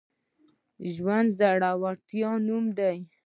ژوند د زړورتیا نوم دی.